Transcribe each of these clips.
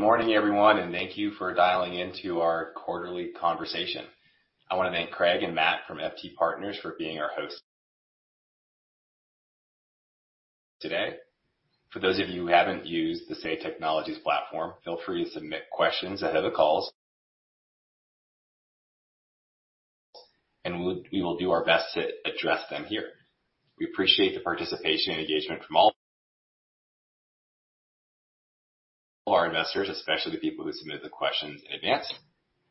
Good morning, everyone, and thank you for dialing into our quarterly conversation. I want to thank Craig and Matt from FT Partners for being our hosts today. For those of you who haven't used the Say Technologies platform, feel free to submit questions ahead of the calls, and we will do our best to address them here. We appreciate the participation and engagement from all our investors, especially the people who submitted the questions in advance.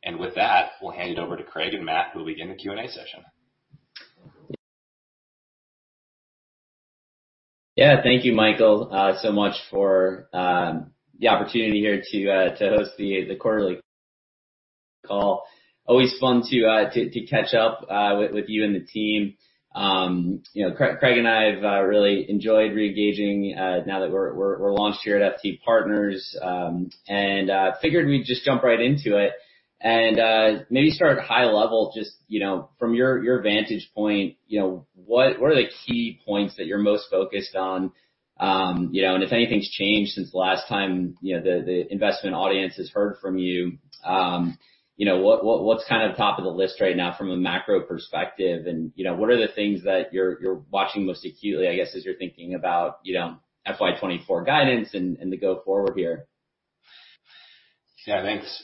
And with that, we'll hand it over to Craig and Matt, who will begin the Q&A session. Yeah, thank you, Michael, so much for the opportunity here to host the quarterly call. Always fun to catch up with you and the team. Craig and I have really enjoyed reengaging now that we're launched here at FT Partners, and figured we'd just jump right into it and maybe start at a high level, just from your vantage point, what are the key points that you're most focused on? And if anything's changed since the last time the investment audience has heard from you, what's kind of top of the list right now from a macro perspective? And what are the things that you're watching most acutely, I guess, as you're thinking about FY24 guidance and the go-forward here? Yeah, thanks.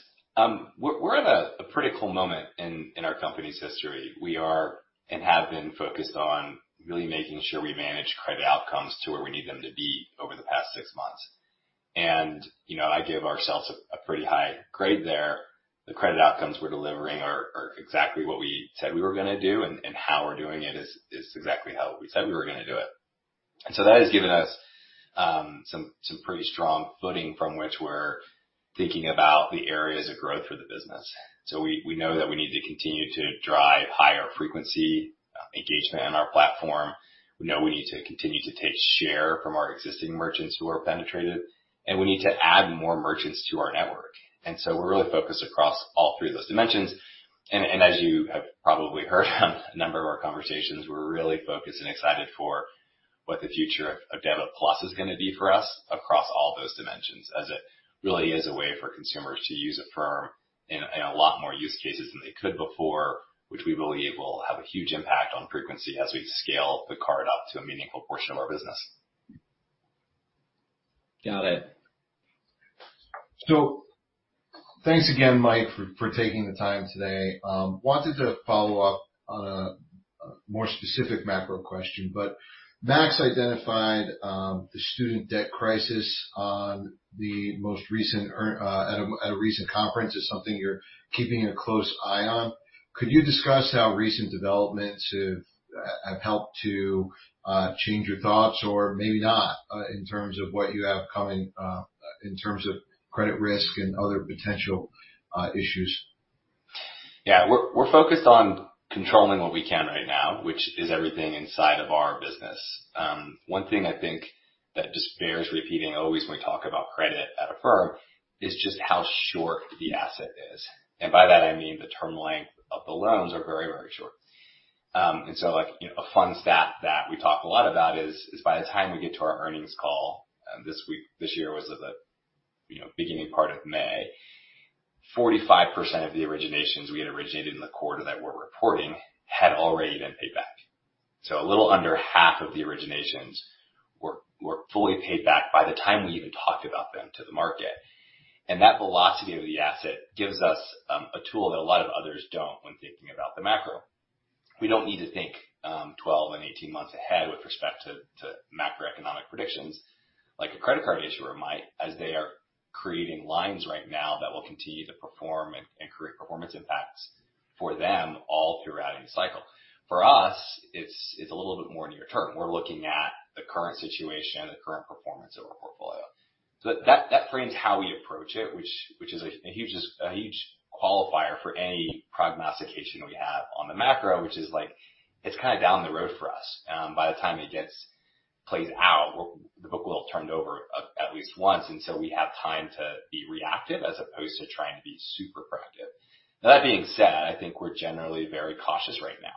We're at a pretty cool moment in our company's history. We are and have been focused on really making sure we manage credit outcomes to where we need them to be over the past six months, and I give ourselves a pretty high grade there. The credit outcomes we're delivering are exactly what we said we were going to do, and how we're doing it is exactly how we said we were going to do it, and so that has given us some pretty strong footing from which we're thinking about the areas of growth for the business, so we know that we need to continue to drive higher frequency engagement in our platform. We know we need to continue to take share from our existing merchants who are penetrated, and we need to add more merchants to our network. So we're really focused across all three of those dimensions. As you have probably heard on a number of our conversations, we're really focused and excited for what the future of Debit+ is going to be for us across all those dimensions, as it really is a way for consumers to use Affirm in a lot more use cases than they could before, which we believe will have a huge impact on frequency as we scale the card up to a meaningful portion of our business. Got it. So thanks again, Mike, for taking the time today. Wanted to follow up on a more specific macro question, but Max identified the student debt crisis at a recent conference as something you're keeping a close eye on. Could you discuss how recent developments have helped to change your thoughts, or maybe not, in terms of what you have coming in terms of credit risk and other potential issues? Yeah, we're focused on controlling what we can right now, which is everything inside of our business. One thing I think that just bears repeating always when we talk about credit at Affirm is just how short the asset is. And by that, I mean the term length of the loans are very, very short. And so a fun stat that we talk a lot about is by the time we get to our earnings call this week, this year was the beginning part of May, 45% of the originations we had originated in the quarter that we're reporting had already been paid back. So a little under half of the originations were fully paid back by the time we even talked about them to the market. And that velocity of the asset gives us a tool that a lot of others don't when thinking about the macro. We don't need to think 12 and 18 months ahead with respect to macroeconomic predictions like a credit card issuer might, as they are creating lines right now that will continue to perform and create performance impacts for them all throughout any cycle. For us, it's a little bit more near term. We're looking at the current situation, the current performance of our portfolio. So that frames how we approach it, which is a huge qualifier for any prognostication we have on the macro, which is like it's kind of down the road for us. By the time it plays out, the book will have turned over at least once, and so we have time to be reactive as opposed to trying to be super proactive. That being said, I think we're generally very cautious right now.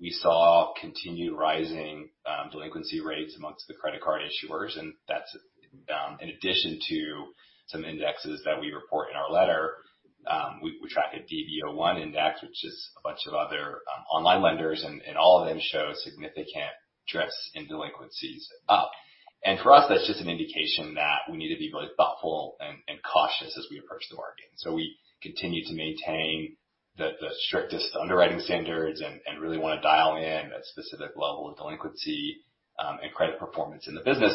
We saw continued rising delinquency rates among the credit card issuers, and that's in addition to some indexes that we report in our letter. We track a DBO1 index, which is a bunch of other online lenders, and all of them show significant drifts in delinquencies up, and for us, that's just an indication that we need to be really thoughtful and cautious as we approach the market, and so we continue to maintain the strictest underwriting standards and really want to dial in a specific level of delinquency and credit performance in the business,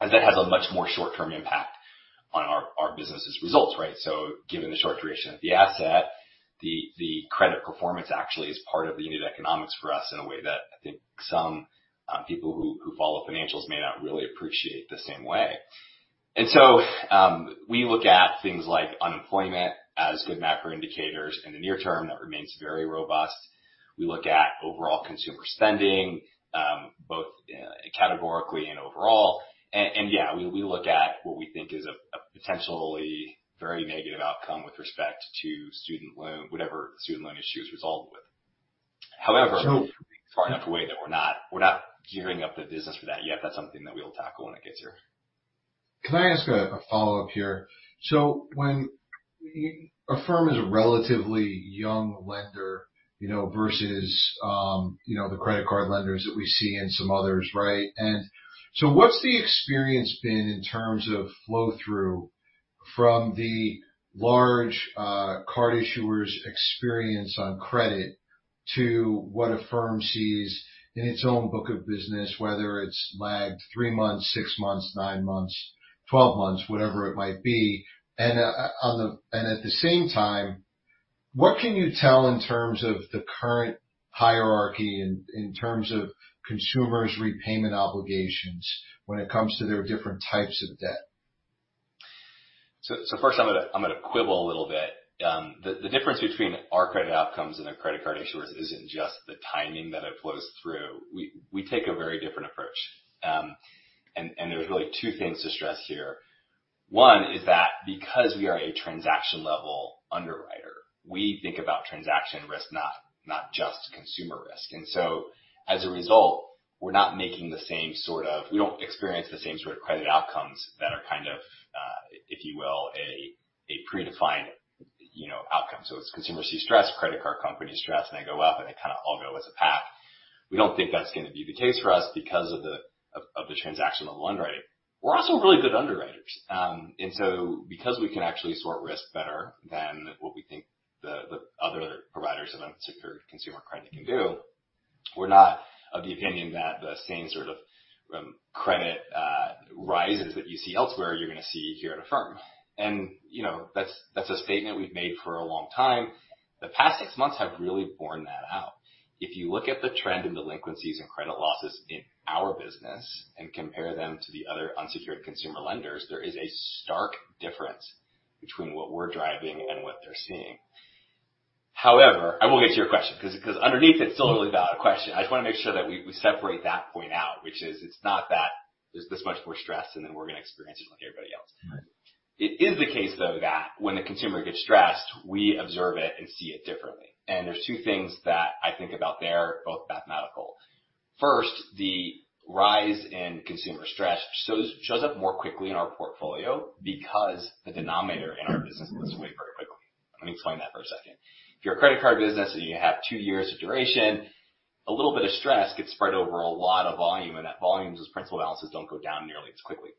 as that has a much more short-term impact on our business's results, right, so given the short duration of the asset, the credit performance actually is part of the unit economics for us in a way that I think some people who follow financials may not really appreciate the same way. We look at things like unemployment as good macro indicators in the near term that remains very robust. We look at overall consumer spending, both categorically and overall. Yeah, we look at what we think is a potentially very negative outcome with respect to student loan, whatever student loan issues result with. However, far enough away that we're not gearing up the business for that yet. That's something that we'll tackle when it gets here. Can I ask a follow-up here? So when Affirm is a relatively young lender versus the credit card lenders that we see and some others, right? And so what's the experience been in terms of flow-through from the large card issuers' experience on credit to what Affirm sees in its own book of business, whether it's lagged three months, six months, nine months, 12 months, whatever it might be? And at the same time, what can you tell in terms of the current hierarchy and in terms of consumers' repayment obligations when it comes to their different types of debt? So first, I'm going to quibble a little bit. The difference between our credit outcomes and the credit card issuers isn't just the timing that it flows through. We take a very different approach. And there's really two things to stress here. One is that because we are a transaction-level underwriter, we think about transaction risk, not just consumer risk. And so as a result, we're not making the same sort of, we don't experience the same sort of credit outcomes that are kind of, if you will, a predefined outcome. So it's consumer economic stress, credit card companies stress, and they go up, and they kind of all go as a pack. We don't think that's going to be the case for us because of the transactional underwriting. We're also really good underwriters. And so because we can actually sort risk better than what we think the other providers of unsecured consumer credit can do, we're not of the opinion that the same sort of credit risks that you see elsewhere, you're going to see here at Affirm. And that's a statement we've made for a long time. The past six months have really borne that out. If you look at the trend in delinquencies and credit losses in our business and compare them to the other unsecured consumer lenders, there is a stark difference between what we're driving and what they're seeing. However, I will get to your question because underneath, it's still a really valid question. I just want to make sure that we separate that point out, which is it's not that there's this much more stress, and then we're going to experience it like everybody else. It is the case, though, that when the consumer gets stressed, we observe it and see it differently. And there's two things that I think about there, both mathematical. First, the rise in consumer stress shows up more quickly in our portfolio because the denominator in our business goes away very quickly. Let me explain that for a second. If you're a credit card business and you have two years of duration, a little bit of stress gets spread over a lot of volume, and that volume's principal balances don't go down nearly as quickly.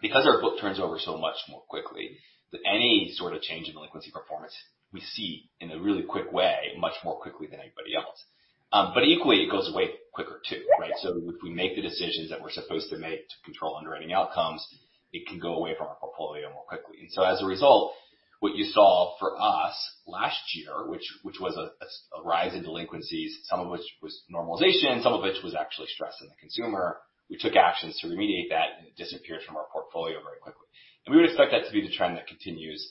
Because our book turns over so much more quickly, any sort of change in delinquency performance we see in a really quick way, much more quickly than anybody else. But equally, it goes away quicker, too, right? So if we make the decisions that we're supposed to make to control underwriting outcomes, it can go away from our portfolio more quickly. And so as a result, what you saw for us last year, which was a rise in delinquencies, some of which was normalization, some of which was actually stress on the consumer, we took actions to remediate that, and it disappeared from our portfolio very quickly. And we would expect that to be the trend that continues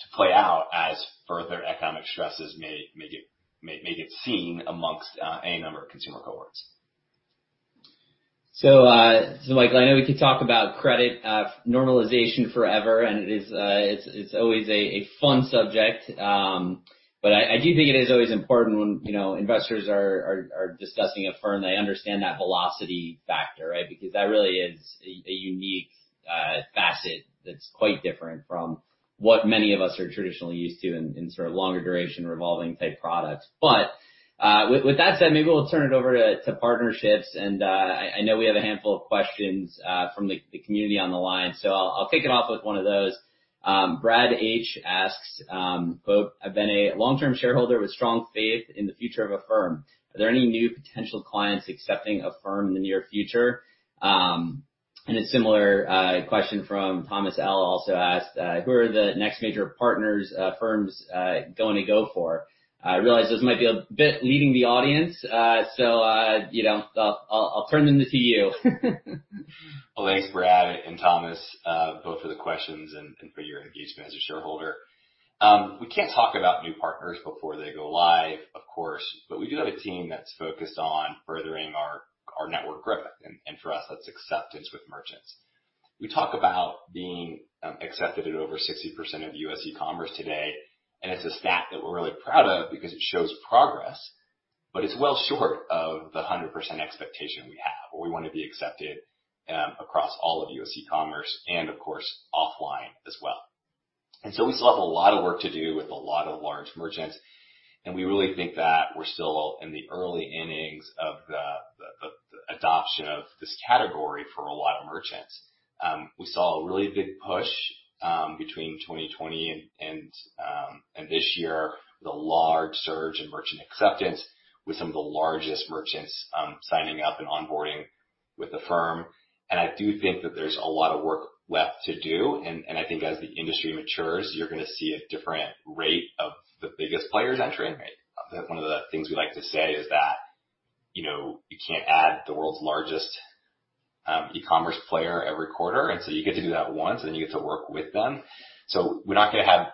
to play out as further economic stresses may get seen among any number of consumer cohorts. Michael, I know we could talk about credit normalization forever, and it's always a fun subject. But I do think it is always important when investors are discussing Affirm, they understand that velocity factor, right? Because that really is a unique facet that's quite different from what many of us are traditionally used to in sort of longer duration, revolving-type products. But with that said, maybe we'll turn it over to partnerships. And I know we have a handful of questions from the community on the line, so I'll kick it off with one of those. Brad H asks, "I've been a long-term shareholder with strong faith in the future of Affirm. Are there any new potential clients accepting Affirm in the near future?" And a similar question from Thomas L also asked, "Who are the next major partners Affirm is going to go for?" I realize this might be a bit leading the audience, so I'll turn them to the CEO. Thanks, Brad and Thomas, both for the questions and for your engagement as a shareholder. We can't talk about new partners before they go live, of course, but we do have a team that's focused on furthering our network growth. And for us, that's acceptance with merchants. We talk about being accepted at over 60% of U.S. e-commerce today, and it's a stat that we're really proud of because it shows progress, but it's well short of the 100% expectation we have. We want to be accepted across all of U.S. e-commerce and, of course, offline as well. And so we still have a lot of work to do with a lot of large merchants, and we really think that we're still in the early innings of the adoption of this category for a lot of merchants. We saw a really big push between 2020 and this year with a large surge in merchant acceptance, with some of the largest merchants signing up and onboarding with the firm, and I do think that there's a lot of work left to do, and I think as the industry matures, you're going to see a different rate of the biggest players entering. One of the things we like to say is that you can't add the world's largest e-commerce player every quarter, and so you get to do that once, and then you get to work with them, so we're not going to have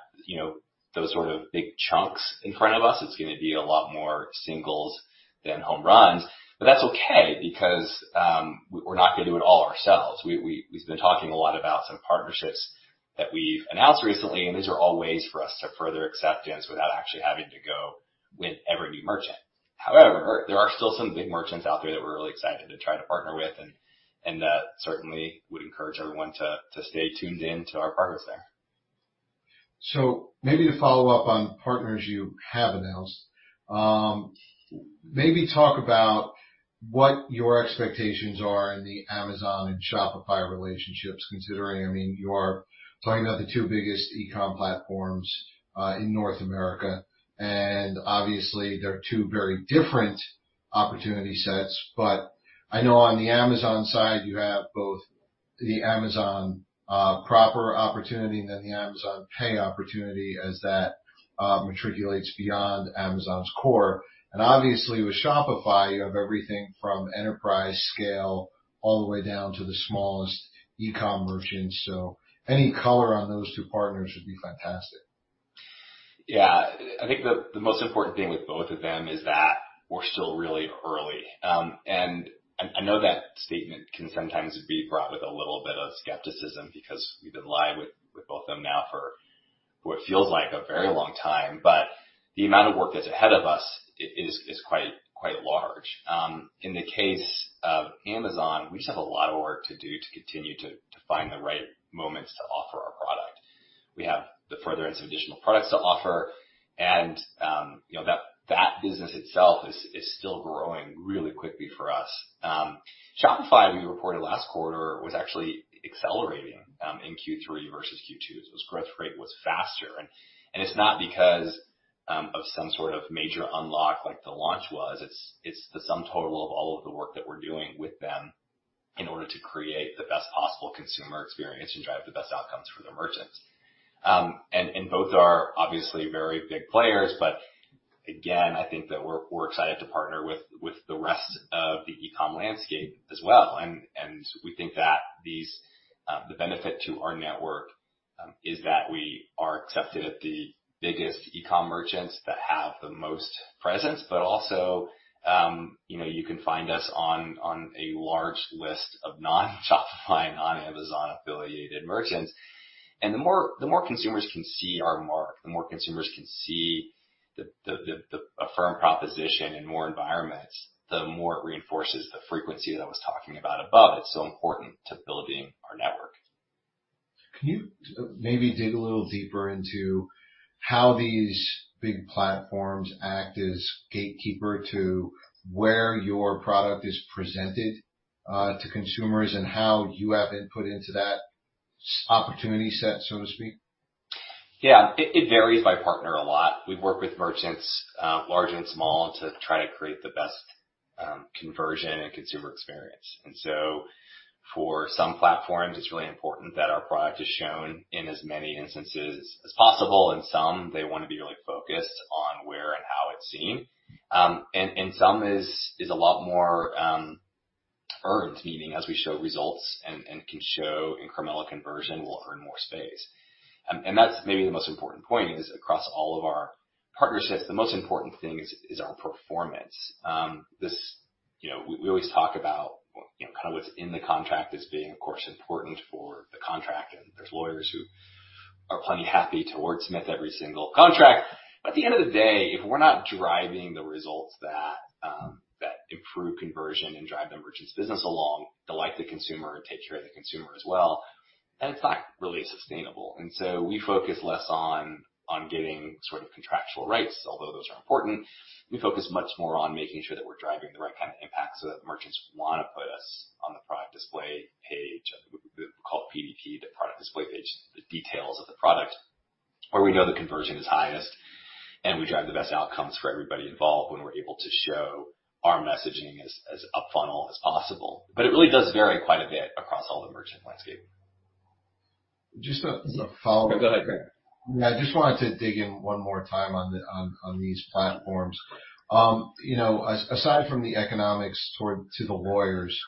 those sort of big chunks in front of us. It's going to be a lot more singles than home runs, but that's okay because we're not going to do it all ourselves. We've been talking a lot about some partnerships that we've announced recently, and these are all ways for us to further acceptance without actually having to go win every new merchant. However, there are still some big merchants out there that we're really excited to try to partner with, and certainly would encourage everyone to stay tuned in to our partners there. So maybe to follow up on partners you have announced, maybe talk about what your expectations are in the Amazon and Shopify relationships, considering, I mean, you are talking about the two biggest e-comm platforms in North America. And obviously, they're two very different opportunity sets. But I know on the Amazon side, you have both the Amazon proper opportunity and then the Amazon Pay opportunity as that matriculates beyond Amazon's core. And obviously, with Shopify, you have everything from enterprise scale all the way down to the smallest e-comm merchants. So any color on those two partners would be fantastic. Yeah, I think the most important thing with both of them is that we're still really early. And I know that statement can sometimes be fraught with a little bit of skepticism because we've been live with both of them now for what feels like a very long time. But the amount of work that's ahead of us is quite large. In the case of Amazon, we just have a lot of work to do to continue to find the right moments to offer our product. We have the future and some additional products to offer, and that business itself is still growing really quickly for us. Shopify, we reported last quarter, was actually accelerating in Q3 versus Q2. So its growth rate was faster. And it's not because of some sort of major unlock like the launch was. It's the sum total of all of the work that we're doing with them in order to create the best possible consumer experience and drive the best outcomes for the merchants. And both are obviously very big players. But again, I think that we're excited to partner with the rest of the e-comm landscape as well. And we think that the benefit to our network is that we are accepted at the biggest e-comm merchants that have the most presence, but also you can find us on a large list of non-Shopify, non-Amazon affiliated merchants. And the more consumers can see our mark, the more consumers can see an Affirm proposition in more environments, the more it reinforces the frequency that I was talking about above. It's so important to building our network. Can you maybe dig a little deeper into how these big platforms act as gatekeeper to where your product is presented to consumers and how you have input into that opportunity set, so to speak? Yeah, it varies by partner a lot. We work with merchants, large and small, to try to create the best conversion and consumer experience. And so for some platforms, it's really important that our product is shown in as many instances as possible. And some, they want to be really focused on where and how it's seen. And some is a lot more earned, meaning as we show results and can show incremental conversion, we'll earn more space. And that's maybe the most important point is across all of our partnerships, the most important thing is our performance. We always talk about kind of what's in the contract as being, of course, important for the contract. And there's lawyers who are plenty happy towards, met every single contract. But at the end of the day, if we're not driving the results that improve conversion and drive the merchant's business along, delight the consumer and take care of the consumer as well, then it's not really sustainable. And so we focus less on getting sort of contractual rights, although those are important. We focus much more on making sure that we're driving the right kind of impact so that merchants want to put us on the product display page, called PDP, the product display page, the details of the product where we know the conversion is highest and we drive the best outcomes for everybody involved when we're able to show our messaging as up-front as possible. But it really does vary quite a bit across all the merchant landscape. Just a follow-up. Go ahead. Yeah, I just wanted to dig in one more time on these platforms. Aside from the economics to the lawyers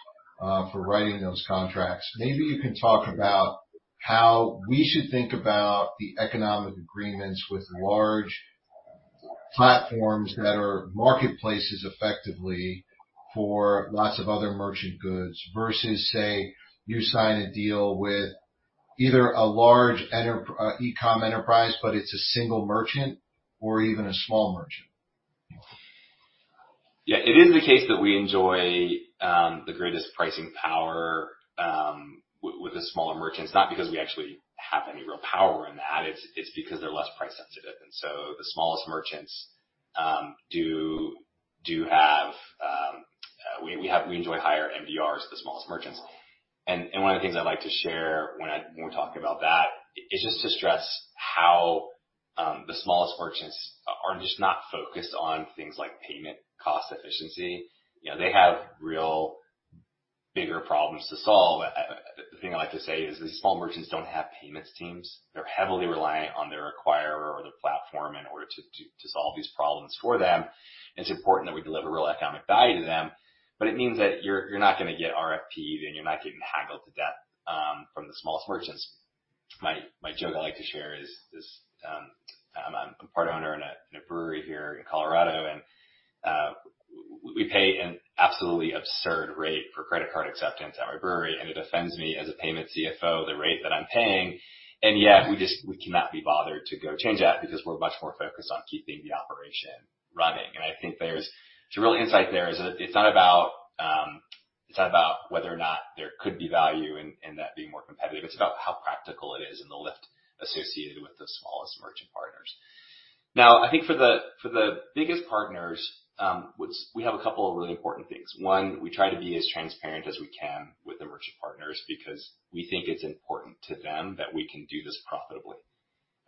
for writing those contracts, maybe you can talk about how we should think about the economic agreements with large platforms that are marketplaces effectively for lots of other merchant goods versus, say, you sign a deal with either a large e-comm enterprise, but it's a single merchant or even a small merchant. Yeah, it is the case that we enjoy the greatest pricing power with the smaller merchants, not because we actually have any real power in that. It's because they're less price sensitive. And so the smallest merchants—we enjoy higher MDRs with the smallest merchants. And one of the things I'd like to share when we're talking about that is just to stress how the smallest merchants are just not focused on things like payment cost efficiency. They have real bigger problems to solve. The thing I like to say is these small merchants don't have payments teams. They're heavily reliant on their acquirer or their platform in order to solve these problems for them. And it's important that we deliver real economic value to them. But it means that you're not going to get RFPs and you're not getting haggled to death from the smallest merchants. My joke I like to share is I'm a part owner in a brewery here in Colorado, and we pay an absolutely absurd rate for credit card acceptance at my brewery. And it offends me as a payments CFO, the rate that I'm paying. And yet, we cannot be bothered to go change that because we're much more focused on keeping the operation running. And I think there's a real insight there is it's not about whether or not there could be value in that being more competitive. It's about how practical it is and the lift associated with the smallest merchant partners. Now, I think for the biggest partners, we have a couple of really important things. One, we try to be as transparent as we can with the merchant partners because we think it's important to them that we can do this profitably.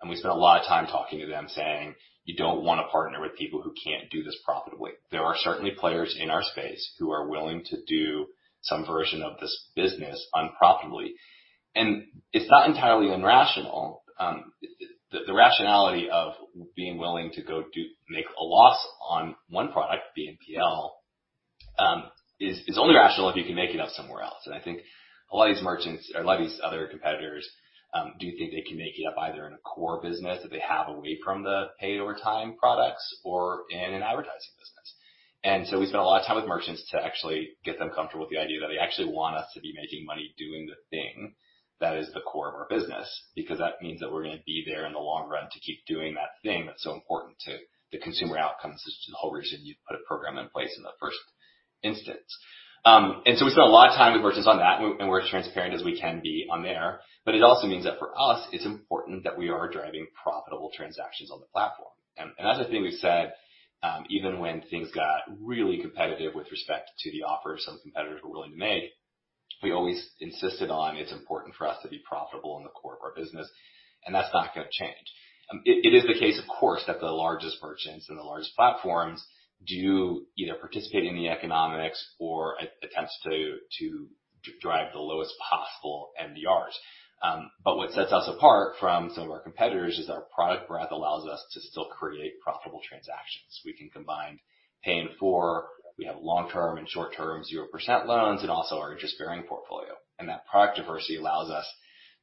We spend a lot of time talking to them saying, "You don't want to partner with people who can't do this profitably." There are certainly players in our space who are willing to do some version of this business unprofitably. It's not entirely irrational. The rationality of being willing to go make a loss on one product, BNPL, is only rational if you can make it up somewhere else. I think a lot of these merchants or a lot of these other competitors do think they can make it up either in a core business that they have away from the pay-over-time products or in an advertising business. And so we spend a lot of time with merchants to actually get them comfortable with the idea that they actually want us to be making money doing the thing that is the core of our business because that means that we're going to be there in the long run to keep doing that thing that's so important to the consumer outcomes, which is the whole reason you put a program in place in the first instance. And so we spend a lot of time with merchants on that, and we're as transparent as we can be on there. But it also means that for us, it's important that we are driving profitable transactions on the platform. And as I think we've said, even when things got really competitive with respect to the offer some competitors were willing to make, we always insisted on it's important for us to be profitable in the core of our business, and that's not going to change. It is the case, of course, that the largest merchants and the largest platforms do either participate in the economics or attempt to drive the lowest possible MDRs. But what sets us apart from some of our competitors is our product breadth allows us to still create profitable transactions. We can combine paying for, we have long-term and short-term 0% loans and also our interest-bearing portfolio. And that product diversity allows us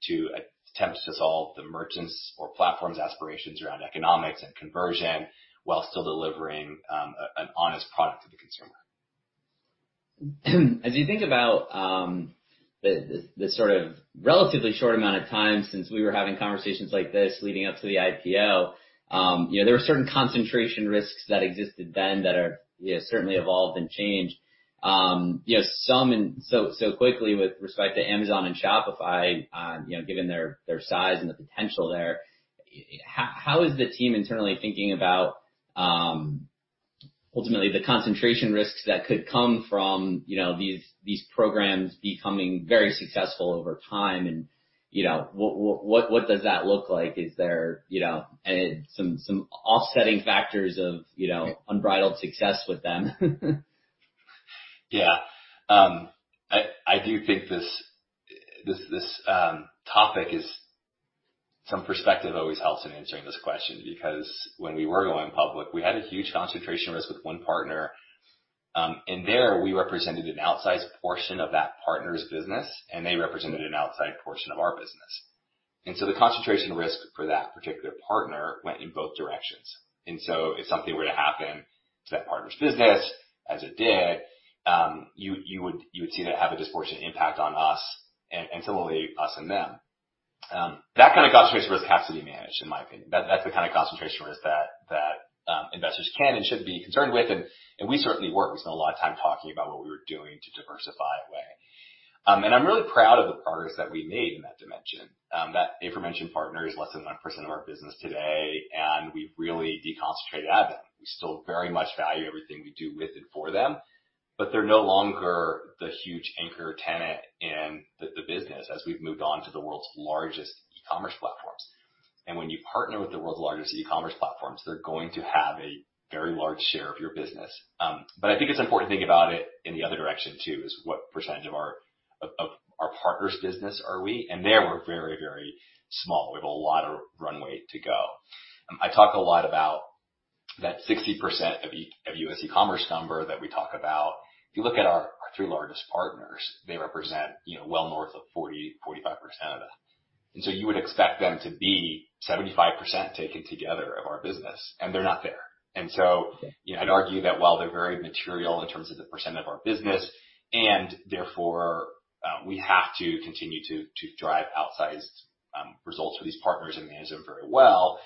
to attempt to solve the merchants' or platforms' aspirations around economics and conversion while still delivering an honest product to the consumer. As you think about the sort of relatively short amount of time since we were having conversations like this leading up to the IPO, there were certain concentration risks that existed then that have certainly evolved and changed, so quickly with respect to Amazon and Shopify, given their size and the potential there, how is the team internally thinking about ultimately the concentration risks that could come from these programs becoming very successful over time? And what does that look like? Is there some offsetting factors of unbridled success with them? Yeah, I do think this topic, some perspective always helps in answering this question, because when we were going public, we had a huge concentration risk with one partner. And there, we represented an outsized portion of that partner's business, and they represented an outsized portion of our business. And so the concentration risk for that particular partner went in both directions. And so if something were to happen to that partner's business, as it did, you would see that have a disproportionate impact on us and similarly us and them. That kind of concentration risk has to be managed, in my opinion. That's the kind of concentration risk that investors can and should be concerned with, and we certainly were. We spent a lot of time talking about what we were doing to diversify away, and I'm really proud of the progress that we made in that dimension. That aforementioned partner is less than 1% of our business today, and we've really deconcentrated Amazon. We still very much value everything we do with and for them, but they're no longer the huge anchor tenant in the business as we've moved on to the world's largest e-commerce platforms. And when you partner with the world's largest e-commerce platforms, they're going to have a very large share of your business. But I think it's important to think about it in the other direction too, is what percentage of our partner's business are we? And there, we're very, very small. We have a lot of runway to go. I talk a lot about that 60% of U.S. e-commerce number that we talk about. If you look at our three largest partners, they represent well north of 40%-45% of that. And so you would expect them to be 75% taken together of our business, and they're not there. And so I'd argue that while they're very material in terms of the percent of our business, and therefore, we have to continue to drive outsized results for these partners and manage them very well,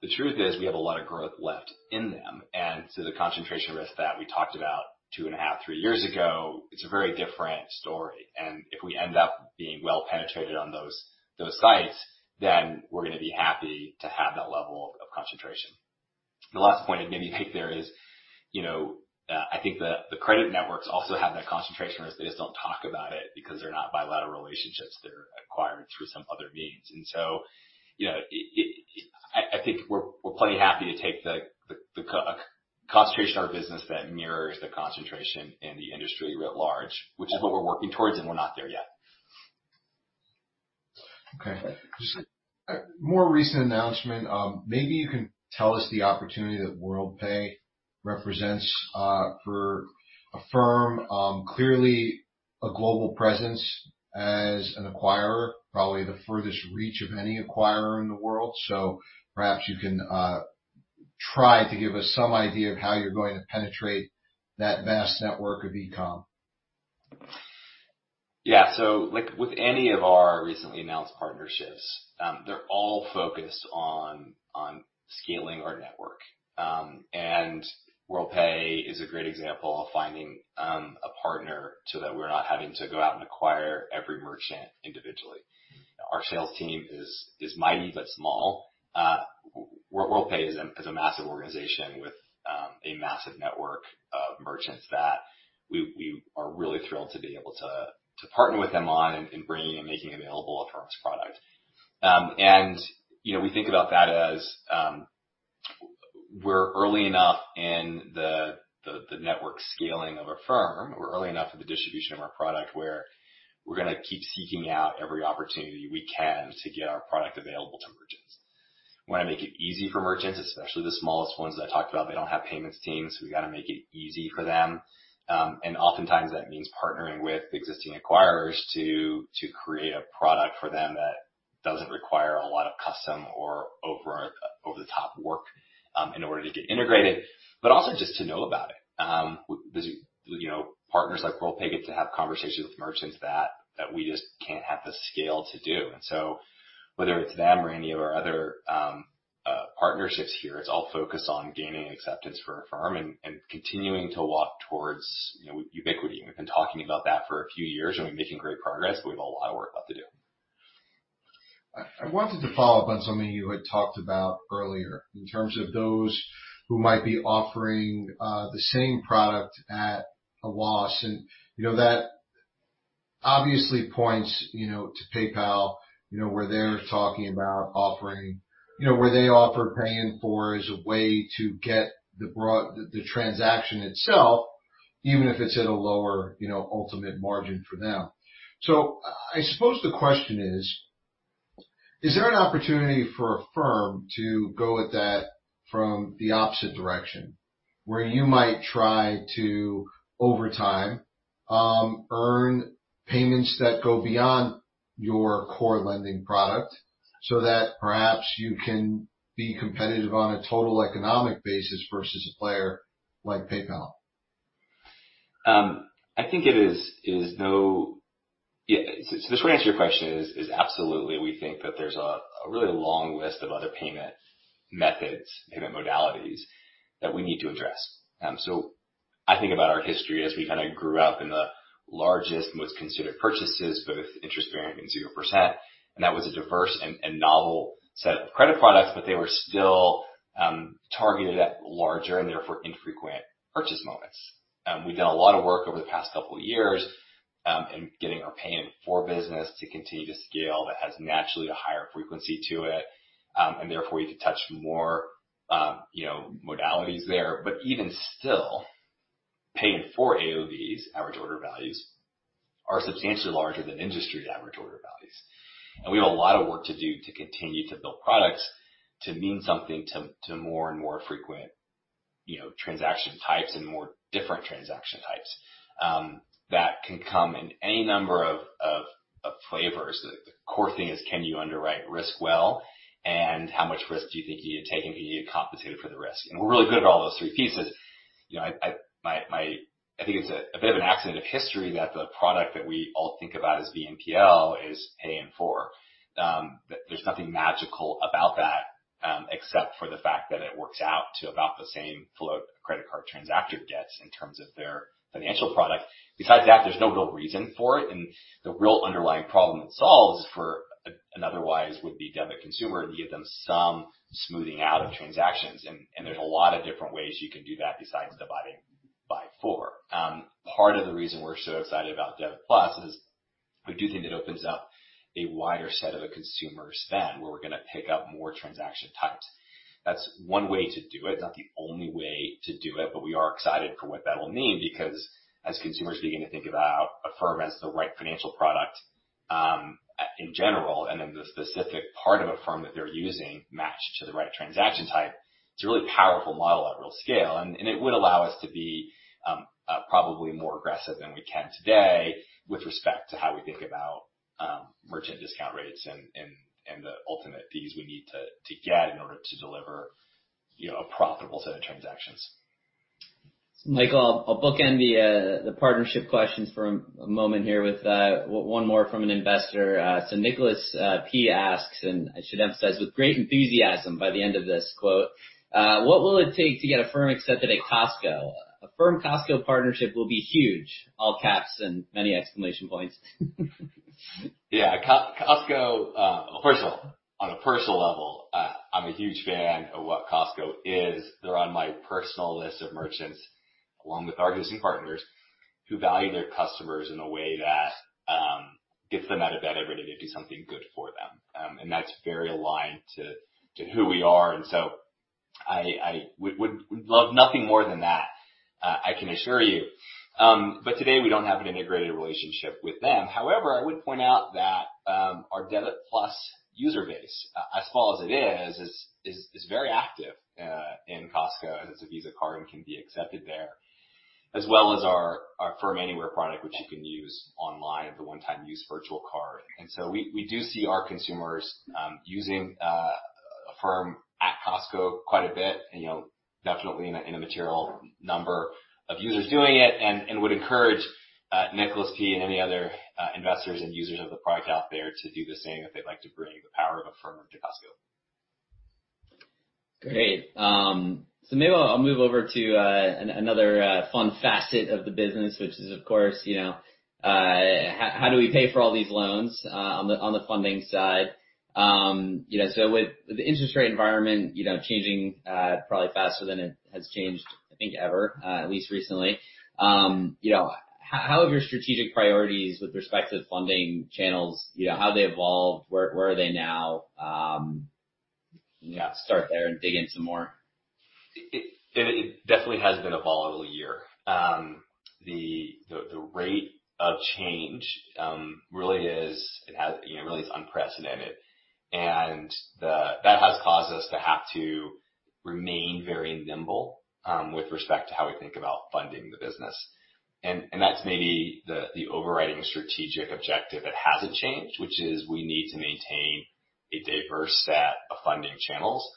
the truth is we have a lot of growth left in them. And so the concentration risk that we talked about two and a half, three years ago, it's a very different story. And if we end up being well penetrated on those sites, then we're going to be happy to have that level of concentration. The last point I'd maybe make there is I think the credit networks also have that concentration risk. They just don't talk about it because they're not bilateral relationships. They're acquired through some other means. I think we're plenty happy to take the concentration of our business that mirrors the concentration in the industry writ large, which is what we're working towards, and we're not there yet. Okay. Just a more recent announcement. Maybe you can tell us the opportunity that Worldpay represents for Affirm, clearly a global presence as an acquirer, probably the furthest reach of any acquirer in the world. So perhaps you can try to give us some idea of how you're going to penetrate that vast network of e-comm. Yeah, so with any of our recently announced partnerships, they're all focused on scaling our network. And Worldpay is a great example of finding a partner so that we're not having to go out and acquire every merchant individually. Our sales team is mighty but small. Worldpay is a massive organization with a massive network of merchants that we are really thrilled to be able to partner with them on and bringing and making available Affirm's product. And we think about that as we're early enough in the network scaling of Affirm. We're early enough in the distribution of our product where we're going to keep seeking out every opportunity we can to get our product available to merchants. We want to make it easy for merchants, especially the smallest ones that I talked about. They don't have payments teams. We've got to make it easy for them. And oftentimes, that means partnering with existing acquirers to create a product for them that doesn't require a lot of custom or over-the-top work in order to get integrated, but also just to know about it. Partners like Worldpay get to have conversations with merchants that we just can't have the scale to do. And so whether it's them or any of our other partnerships here, it's all focused on gaining acceptance for Affirm and continuing to walk towards ubiquity. We've been talking about that for a few years, and we're making great progress, but we have a lot of work left to do. I wanted to follow up on something you had talked about earlier in terms of those who might be offering the same product at a loss. And that obviously points to PayPal where they're talking about offering where they offer Pay in 4 as a way to get the transaction itself, even if it's at a lower ultimate margin for them. So I suppose the question is, is there an opportunity for Affirm to go at that from the opposite direction where you might try to, over time, earn payments that go beyond your core lending product so that perhaps you can be competitive on a total economic basis versus a player like PayPal? I think it is. The short answer to your question is absolutely. We think that there's a really long list of other payment methods, payment modalities that we need to address, so I think about our history as we kind of grew up in the largest, most considered purchases, both interest-bearing and 0%. That was a diverse and novel set of credit products, but they were still targeted at larger and therefore infrequent purchase moments. We've done a lot of work over the past couple of years in getting our Pay in 4 business to continue to scale that has naturally a higher frequency to it, and therefore, you could touch more modalities there, but even still, Pay in 4 AOVs, average order values, are substantially larger than industry average order values. And we have a lot of work to do to continue to build products to mean something to more and more frequent transaction types and more different transaction types that can come in any number of flavors. The core thing is, can you underwrite risk well, and how much risk do you think you need to take, and can you get compensated for the risk? And we're really good at all those three pieces. I think it's a bit of an accident of history that the product that we all think about as BNPL is paying for. There's nothing magical about that except for the fact that it works out to about the same float a credit card transactor gets in terms of their financial product. Besides that, there's no real reason for it. And the real underlying problem it solves for an otherwise would-be debit consumer and give them some smoothing out of transactions. And there's a lot of different ways you can do that besides dividing by four. Part of the reason we're so excited about Debit+ is we do think it opens up a wider set of a consumer spend where we're going to pick up more transaction types. That's one way to do it. It's not the only way to do it, but we are excited for what that will mean because as consumers begin to think about Affirm as the right financial product in general and then the specific part of Affirm that they're using matched to the right transaction type, it's a really powerful model at real scale. It would allow us to be probably more aggressive than we can today with respect to how we think about merchant discount rates and the ultimate fees we need to get in order to deliver a profitable set of transactions. Michael, I'll bookend the partnership questions for a moment here with one more from an investor. So Nicholas P asks, and I should emphasize with great enthusiasm by the end of this quote, "What will it take to get Affirm accepted at Costco? An Affirm Costco partnership will be huge," all caps and many exclamation points. Yeah, Costco, first of all, on a personal level, I'm a huge fan of what Costco is. They're on my personal list of merchants along with our existing partners who value their customers in a way that gets them out of bed every day to do something good for them. And that's very aligned to who we are. And so I would love nothing more than that, I can assure you. But today, we don't have an integrated relationship with them. However, I would point out that our Debit+ user base, as small as it is, is very active in Costco as it's a Visa card and can be accepted there, as well as our Affirm Anywhere product, which you can use online, the one-time use virtual card. We do see our consumers using Affirm at Costco quite a bit, definitely in a material number of users doing it, and would encourage Nicholas P and any other investors and users of the product out there to do the same if they'd like to bring the power of Affirm to Costco. Great. So maybe I'll move over to another fun facet of the business, which is, of course, how do we pay for all these loans on the funding side? So with the interest rate environment changing probably faster than it has changed, I think, ever, at least recently, how have your strategic priorities with respect to funding channels, how have they evolved? Where are they now? Start there and dig in some more. It definitely has been a volatile year. The rate of change really is unprecedented. And that has caused us to have to remain very nimble with respect to how we think about funding the business. And that's maybe the overriding strategic objective that hasn't changed, which is we need to maintain a diverse set of funding channels.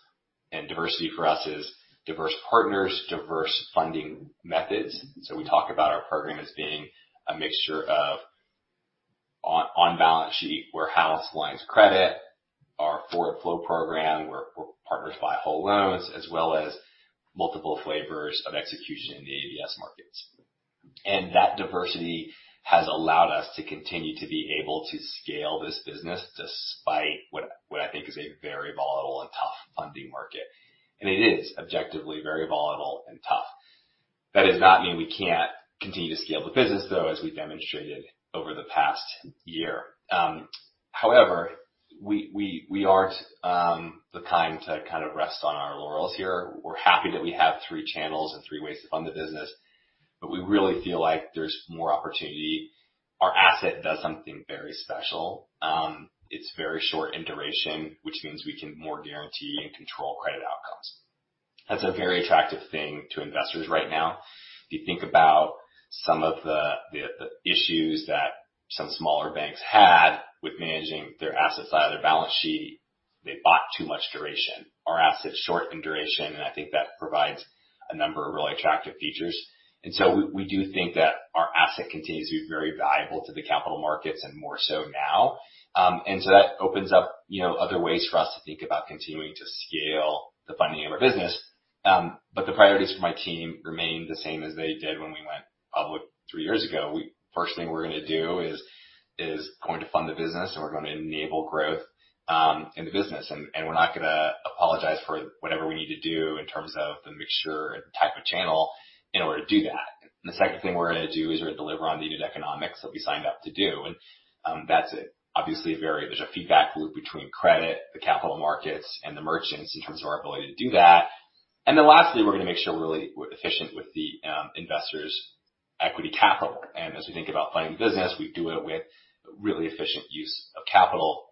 And diversity for us is diverse partners, diverse funding methods. So we talk about our program as being a mixture of on-balance sheet warehouse lines of credit, our forward flow program where partners buy whole loans, as well as multiple flavors of execution in the ABS markets. And that diversity has allowed us to continue to be able to scale this business despite what I think is a very volatile and tough funding market. And it is objectively very volatile and tough. That does not mean we can't continue to scale the business, though, as we demonstrated over the past year. However, we aren't the kind to kind of rest on our laurels here. We're happy that we have three channels and three ways to fund the business, but we really feel like there's more opportunity. Our asset does something very special. It's very short in duration, which means we can more guarantee and control credit outcomes. That's a very attractive thing to investors right now. If you think about some of the issues that some smaller banks had with managing their assets out of their balance sheet, they bought too much duration. Our asset's short in duration, and I think that provides a number of really attractive features. And so we do think that our asset continues to be very valuable to the capital markets and more so now. And so that opens up other ways for us to think about continuing to scale the funding of our business. But the priorities for my team remain the same as they did when we went public three years ago. First thing we're going to do is fund the business, and we're going to enable growth in the business. And we're not going to apologize for whatever we need to do in terms of the mixture and type of channel in order to do that. And the second thing we're going to do is deliver on needed economics that we signed up to do. And that's obviously. There's a feedback loop between credit, the capital markets, and the merchants in terms of our ability to do that. And then lastly, we're going to make sure we're really efficient with the investors' equity capital. As we think about funding the business, we do it with really efficient use of capital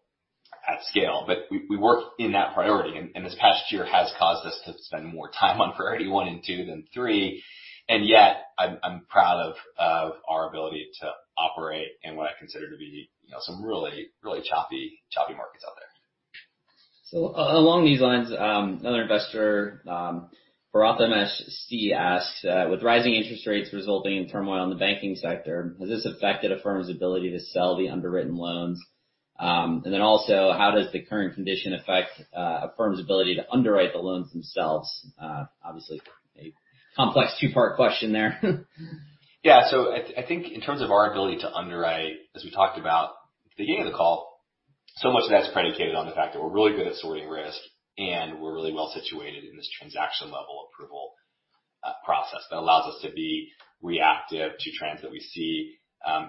at scale. We work in that priority. This past year has caused us to spend more time on priority one and two than three. Yet, I'm proud of our ability to operate in what I consider to be some really, really choppy markets out there. So along these lines, another investor, Prathamesh C, asks, "With rising interest rates resulting in turmoil in the banking sector, has this affected a firm's ability to sell the underwritten loans? And then also, how does the current condition affect a firm's ability to underwrite the loans themselves?" Obviously, a complex two-part question there. Yeah, so I think in terms of our ability to underwrite, as we talked about at the beginning of the call, so much of that's predicated on the fact that we're really good at sorting risk, and we're really well situated in this transaction-level approval process that allows us to be reactive to trends that we see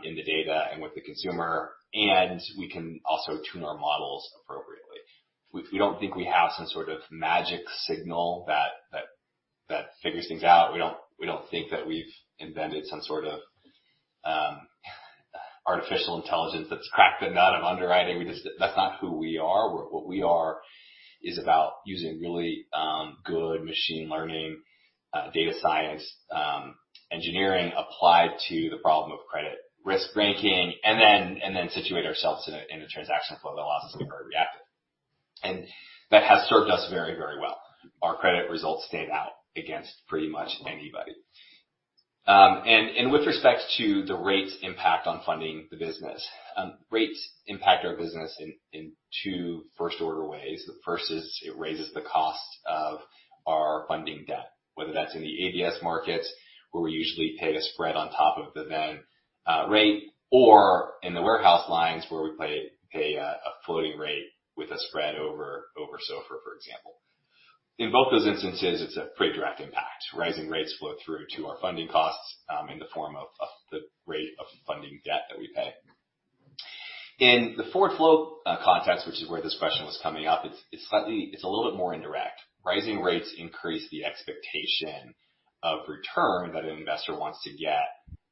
in the data and with the consumer. We can also tune our models appropriately. We don't think we have some sort of magic signal that figures things out. We don't think that we've invented some sort of artificial intelligence that's cracked the nut of underwriting. That's not who we are. What we are is about using really good machine learning, data science, engineering applied to the problem of credit risk ranking, and then situate ourselves in a transaction flow that allows us to be very reactive. And that has served us very, very well. Our credit results stand out against pretty much anybody. And with respect to the rates' impact on funding the business, rates impact our business in two first-order ways. The first is it raises the cost of our funding debt, whether that's in the ABS markets where we usually pay a spread on top of then rate, or in the warehouse lines where we pay a floating rate with a spread over SOFR, for example. In both those instances, it's a pretty direct impact. Rising rates flow through to our funding costs in the form of the rate of funding debt that we pay. In the forward flow context, which is where this question was coming up, it's a little bit more indirect. Rising rates increase the expectation of return that an investor wants to get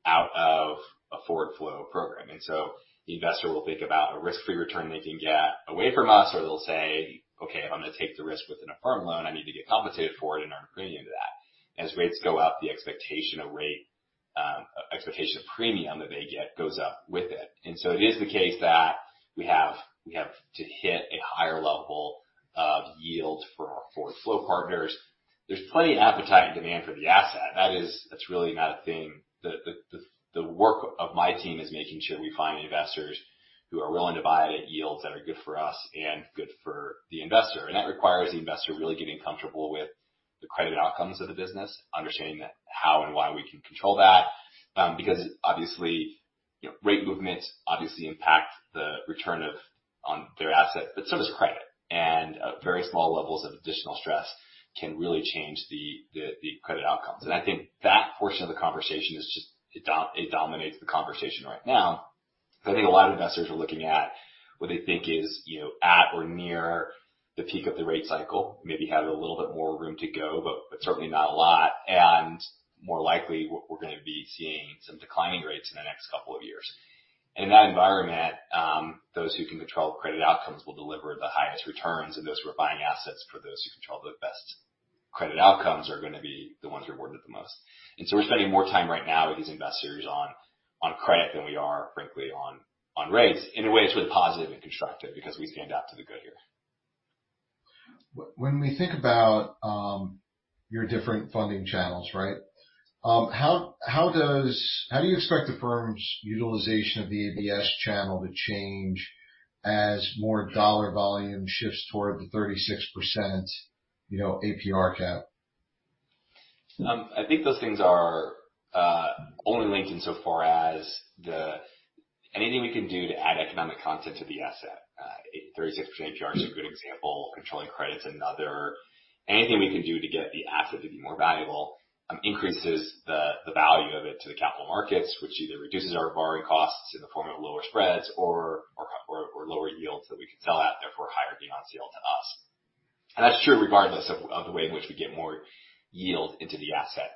out of a forward flow program. The investor will think about a risk-free return they can get away from us, or they'll say, "Okay, if I'm going to take the risk within an Affirm loan, I need to get compensated for it and earn a premium to that." As rates go up, the expectation of rate, expectation of premium that they get goes up with it. It is the case that we have to hit a higher level of yield for our forward flow partners. There's plenty of appetite and demand for the asset. That's really not a thing. The work of my team is making sure we find investors who are willing to buy it at yields that are good for us and good for the investor. That requires the investor really getting comfortable with the credit outcomes of the business, understanding how and why we can control that. Because obviously, rate movements obviously impact the return on their asset, but so does credit. And very small levels of additional stress can really change the credit outcomes. And I think that portion of the conversation is just it dominates the conversation right now. So I think a lot of investors are looking at what they think is at or near the peak of the rate cycle, maybe have a little bit more room to go, but certainly not a lot. And more likely, we're going to be seeing some declining rates in the next couple of years. And in that environment, those who can control credit outcomes will deliver the highest returns. And those who are buying assets for those who control the best credit outcomes are going to be the ones rewarded the most. And so we're spending more time right now with these investors on credit than we are, frankly, on rates. In a way, it's really positive and constructive because we stand up to the good here. When we think about your different funding channels, right, how do you expect the firm's utilization of the ABS channel to change as more dollar volume shifts toward the 36% APR cap? I think those things are only linked in so far as anything we can do to add economic content to the asset. 36% APR is a good example. Controlling credit's another. Anything we can do to get the asset to be more valuable increases the value of it to the capital markets, which either reduces our borrowing costs in the form of lower spreads or lower yields that we can sell at, therefore higher gain on sale to us. And that's true regardless of the way in which we get more yield into the asset.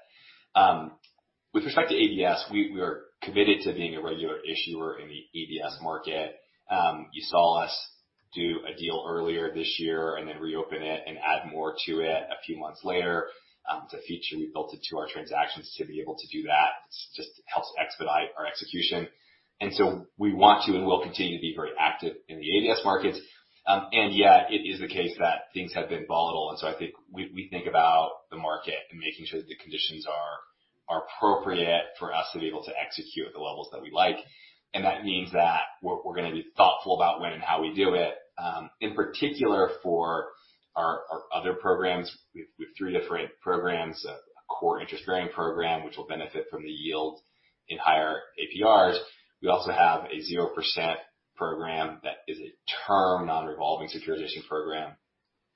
With respect to ABS, we are committed to being a regular issuer in the ABS market. You saw us do a deal earlier this year and then reopen it and add more to it a few months later. It's a feature we built into our transactions to be able to do that. It just helps expedite our execution. And so we want to and will continue to be very active in the ABS markets. And yet, it is the case that things have been volatile. And so I think we think about the market and making sure that the conditions are appropriate for us to be able to execute at the levels that we like. And that means that we're going to be thoughtful about when and how we do it. In particular, for our other programs, we have three different programs, a core interest-bearing program, which will benefit from the yield in higher APRs. We also have a 0% program that is a term non-revolving securitization program.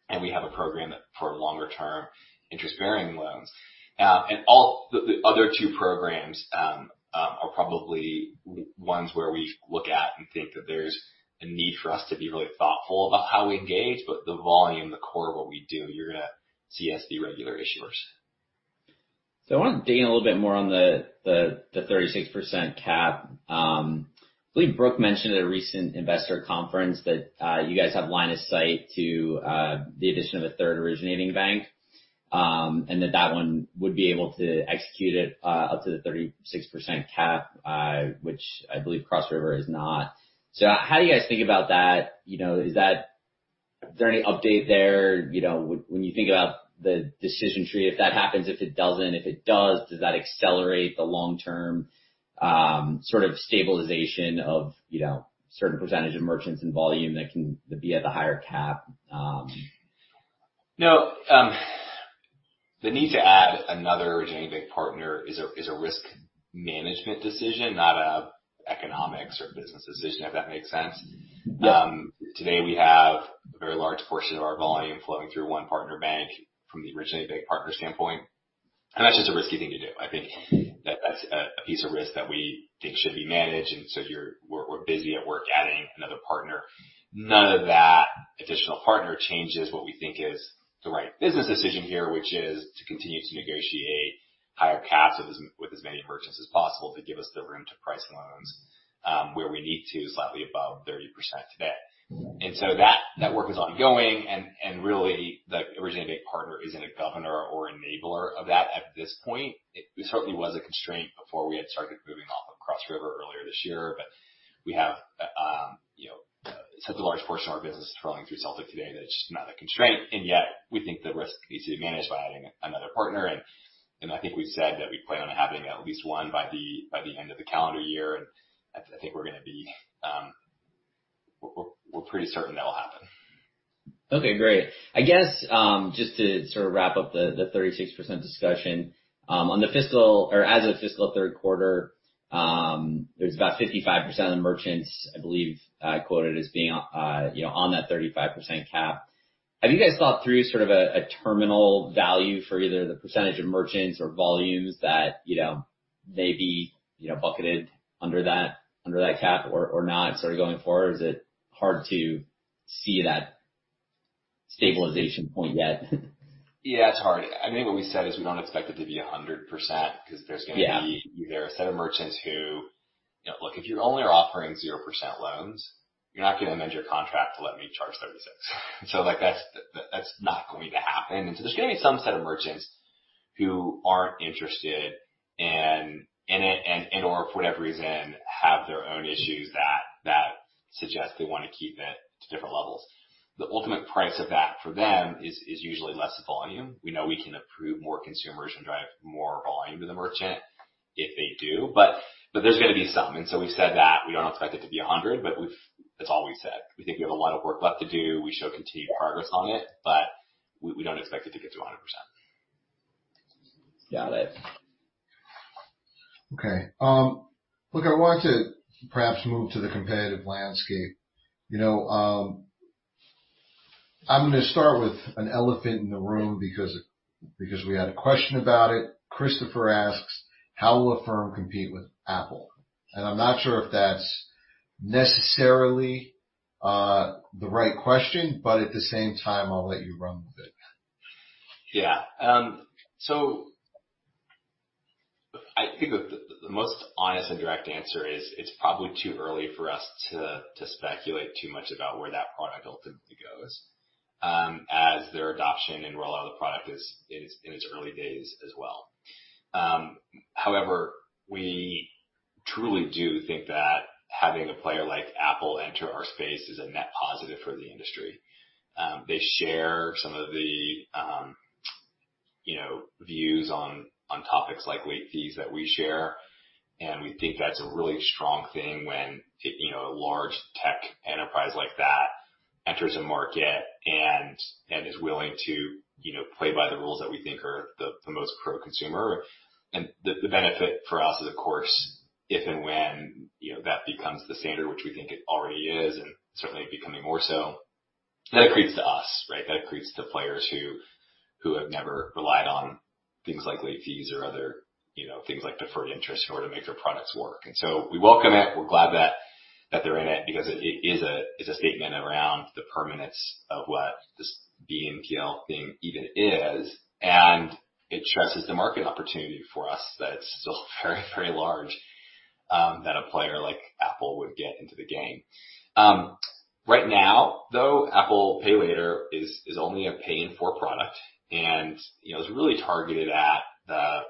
And we have a program for longer-term interest-bearing loans. The other two programs are probably ones where we look at and think that there's a need for us to be really thoughtful about how we engage, but the volume, the core of what we do, you're going to see us be regular issuers. So I want to dig in a little bit more on the 36% cap. I believe Brooke mentioned at a recent investor conference that you guys have a line of sight to the addition of a third originating bank, and that that one would be able to execute it up to the 36% cap, which I believe Cross River is not. So how do you guys think about that? Is there any update there when you think about the decision tree? If that happens, if it doesn't, if it does, does that accelerate the long-term sort of stabilization of a certain percentage of merchants and volume that can be at the higher cap? No. The need to add another originating bank partner is a risk management decision, not an economics or business decision, if that makes sense. Today, we have a very large portion of our volume flowing through one partner bank from the originating bank partner standpoint. And that's just a risky thing to do. I think that's a piece of risk that we think should be managed. And so we're busy at work adding another partner. None of that additional partner changes what we think is the right business decision here, which is to continue to negotiate higher caps with as many merchants as possible to give us the room to price loans where we need to slightly above 30% today. And so that work is ongoing. And really, the originating bank partner isn't a governor or enabler of that at this point. It certainly was a constraint before we had started moving off of Cross River earlier this year. But we have such a large portion of our business flowing through Celtic today that it's just not a constraint. And yet, we think the risk needs to be managed by adding another partner. And I think we've said that we plan on having at least one by the end of the calendar year. And I think we're going to be pretty certain that will happen. Okay, great. I guess just to sort of wrap up the 36% discussion, on the fiscal or as a fiscal third quarter, there's about 55% of the merchants, I believe I quoted, as being on that 35% cap. Have you guys thought through sort of a terminal value for either the percentage of merchants or volumes that may be bucketed under that cap or not sort of going forward? Is it hard to see that stabilization point yet? Yeah, it's hard. I think what we said is we don't expect it to be 100% because there's going to be either a set of merchants who, look, if you're only offering 0% loans, you're not going to amend your contract to let me charge 36. So that's not going to happen. And so there's going to be some set of merchants who aren't interested in it and, or for whatever reason, have their own issues that suggest they want to keep it to different levels. The ultimate price of that for them is usually less volume. We know we can approve more consumers and drive more volume to the merchant if they do, but there's going to be some, and so we've said that we don't expect it to be 100%, but that's all we've said. We think we have a lot of work left to do. We show continued progress on it, but we don't expect it to get to 100%. Got it. Okay. Look, I want to perhaps move to the competitive landscape. I'm going to start with an elephant in the room because we had a question about it. Christopher asks, "How will Affirm compete with Apple?" And I'm not sure if that's necessarily the right question, but at the same time, I'll let you run with it. Yeah. So I think the most honest and direct answer is it's probably too early for us to speculate too much about where that product ultimately goes, as their adoption and rollout of the product is in its early days as well. However, we truly do think that having a player like Apple enter our space is a net positive for the industry. They share some of the views on topics like late fees that we share. And we think that's a really strong thing when a large tech enterprise like that enters a market and is willing to play by the rules that we think are the most pro-consumer. And the benefit for us is, of course, if and when that becomes the standard, which we think it already is, and certainly becoming more so, that it creeps to us, right? That it creeps to players who have never relied on things like late fees or other things like deferred interest in order to make their products work. And so we welcome it. We're glad that they're in it because it is a statement around the permanence of what this BNPL thing even is. And it stresses the market opportunity for us that it's still very, very large that a player like Apple would get into the game. Right now, though, Apple Pay Later is only a pay-in-four product, and it's really targeted at the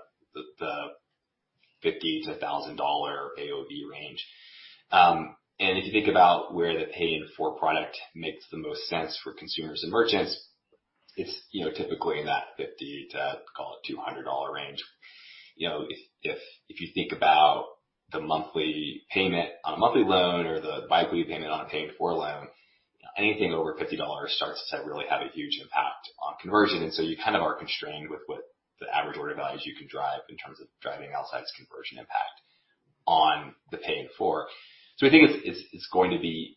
$50-$1,000 AOV range. And if you think about where the pay-in-four product makes the most sense for consumers and merchants, it's typically in that $50-$200 range. If you think about the monthly payment on a monthly loan or the bi-weekly payment on a pay-in-four loan, anything over $50 starts to really have a huge impact on conversion. And so you kind of are constrained with what the average order values you can drive in terms of driving outsized conversion impact on the pay-in-four. So we think it's going to be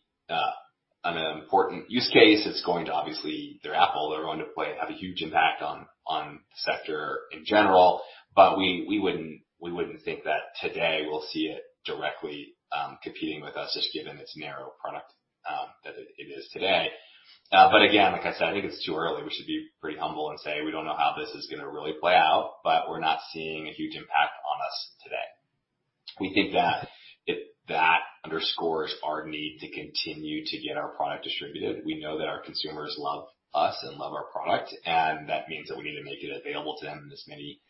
an important use case. It's going to obviously, they're Apple. They're going to play and have a huge impact on the sector in general. But we wouldn't think that today we'll see it directly competing with us, just given its narrow product that it is today. But again, like I said, I think it's too early. We should be pretty humble and say, "We don't know how this is going to really play out, but we're not seeing a huge impact on us today." We think that that underscores our need to continue to get our product distributed. We know that our consumers love us and love our product. And that means that we need to make it available to them in as many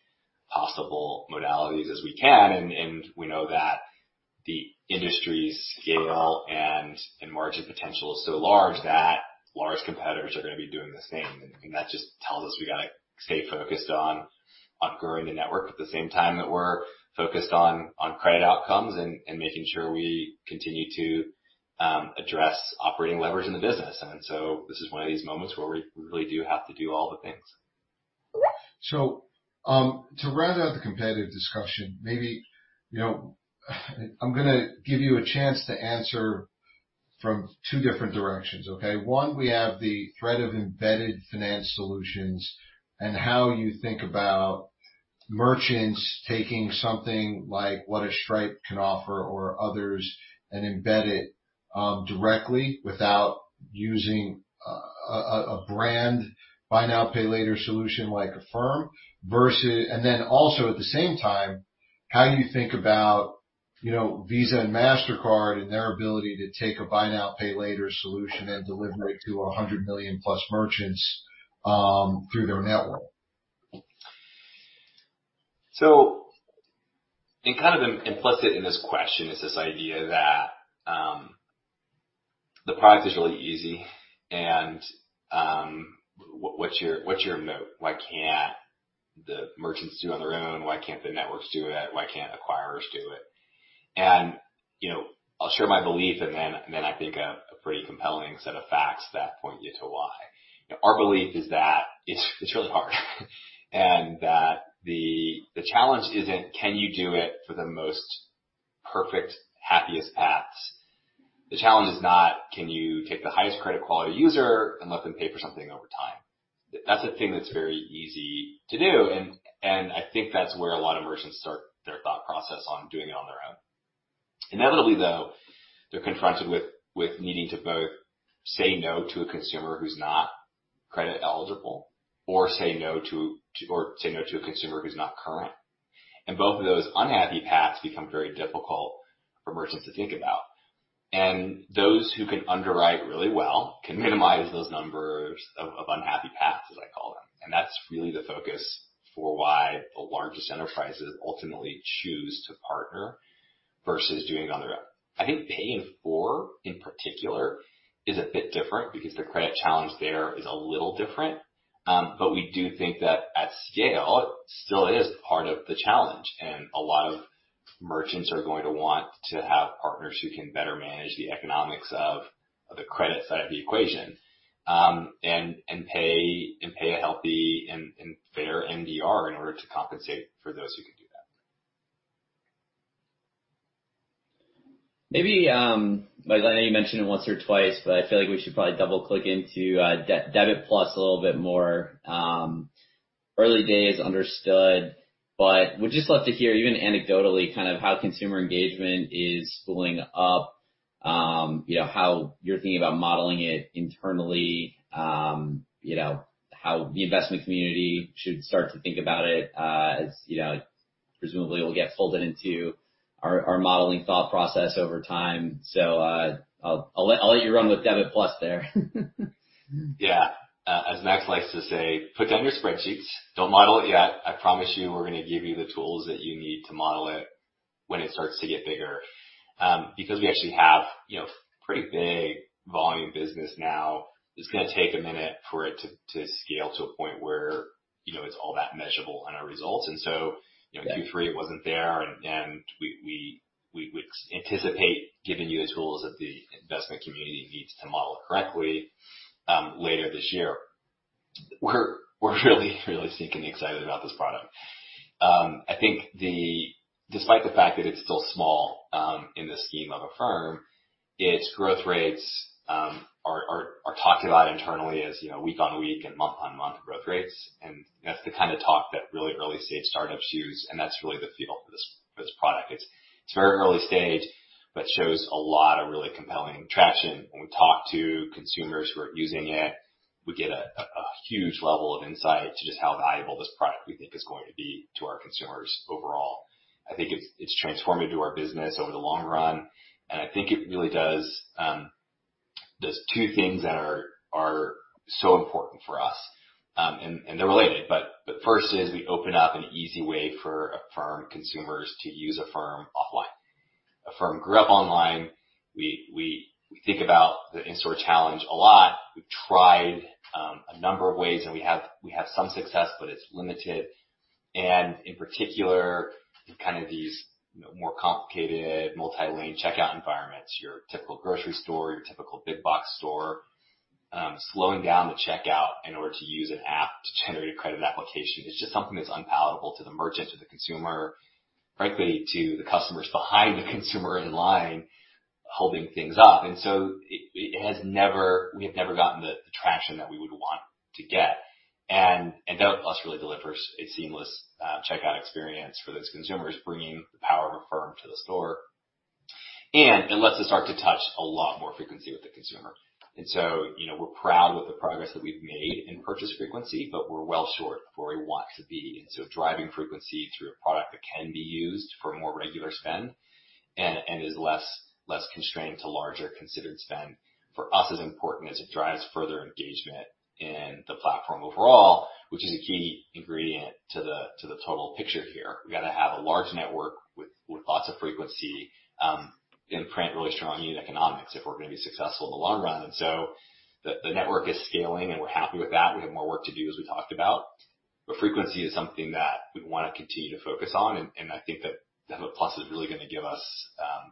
possible modalities as we can. And we know that the industry's scale and margin potential is so large that large competitors are going to be doing the same. And that just tells us we got to stay focused on growing the network at the same time that we're focused on credit outcomes and making sure we continue to address operating levers in the business. And so this is one of these moments where we really do have to do all the things. So to round out the competitive discussion, maybe I'm going to give you a chance to answer from two different directions, okay? One, we have the threat of embedded finance solutions and how you think about merchants taking something like what a Stripe can offer or others and embed it directly without using a brand buy-now-pay-later solution like Affirm versus, and then also at the same time, how you think about Visa and Mastercard and their ability to take a buy-now-pay-later solution and deliver it to 100 million-plus merchants through their network. So kind of implicit in this question is this idea that the product is really easy. And what's your moat? Why can't the merchants do it on their own? Why can't the networks do it? Why can't acquirers do it? And I'll share my belief, and then I think a pretty compelling set of facts that point you to why. Our belief is that it's really hard. And the challenge isn't, can you do it for the most perfect, happiest paths? The challenge is not, can you take the highest credit quality user and let them pay for something over time? That's a thing that's very easy to do. And I think that's where a lot of merchants start their thought process on doing it on their own. Inevitably, though, they're confronted with needing to both say no to a consumer who's not credit eligible or say no to a consumer who's not current. And both of those unhappy paths become very difficult for merchants to think about. And those who can underwrite really well can minimize those numbers of unhappy paths, as I call them. And that's really the focus for why the largest enterprises ultimately choose to partner versus doing it on their own. I think pay-in-four, in particular, is a bit different because the credit challenge there is a little different. But we do think that at scale, it still is part of the challenge. A lot of merchants are going to want to have partners who can better manage the economics of the credit side of the equation and pay a healthy and fair MDR in order to compensate for those who can do that. Maybe, like I know you mentioned it once or twice, but I feel like we should probably double-click into Debit+ a little bit more. Early days, understood. But we'd just love to hear, even anecdotally, kind of how consumer engagement is spooling up, how you're thinking about modeling it internally, how the investment community should start to think about it as presumably it will get folded into our modeling thought process over time. So I'll let you run with Debit+ there. Yeah. As Max likes to say, put down your spreadsheets. Don't model it yet. I promise you we're going to give you the tools that you need to model it when it starts to get bigger. Because we actually have pretty big volume business now, it's going to take a minute for it to scale to a point where it's all that measurable on our results, and so Q3, it wasn't there. We anticipate giving you the tools that the investment community needs to model correctly later this year. We're really, really thinking excited about this product. I think despite the fact that it's still small in the scheme of Affirm, its growth rates are talked about internally as week-on-week and month-on-month growth rates. That's the kind of talk that really early-stage startups use, and that's really the feel for this product. It's very early stage, but shows a lot of really compelling traction. When we talk to consumers who are using it, we get a huge level of insight to just how valuable this product we think is going to be to our consumers overall. I think it's transformative to our business over the long run. And I think it really does there's two things that are so important for us. And they're related. But first is we open up an easy way for Affirm consumers to use Affirm off-line. Affirm grew up online., we think about the in-store challenge a lot. We've tried a number of ways, and we have some success, but it's limited. And in particular, in kind of these more complicated multi-lane checkout environments, your typical grocery store, your typical big box store, slowing down the checkout in order to use an app to generate a credit application is just something that's unpalatable to the merchant, to the consumer, frankly, to the customers behind the consumer in line holding things up. And so we have never gotten the traction that we would want to get. And Debit+ really delivers a seamless checkout experience for those consumers, bringing the power of Affirm to the store. And it lets us start to touch a lot more frequency with the consumer. And so we're proud with the progress that we've made in purchase frequency, but we're well short of where we want to be. And so driving frequency through a product that can be used for more regular spend and is less constrained to larger considered spend for us is important as it drives further engagement in the platform overall, which is a key ingredient to the total picture here. We got to have a large network with lots of frequency and print really strong in economics if we're going to be successful in the long run. And so the network is scaling, and we're happy with that. We have more work to do, as we talked about. But frequency is something that we want to continue to focus on. And I think that Debit+ is really going to give us